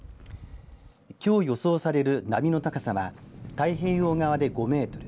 きょう予想される波の高さは太平洋側で５メートル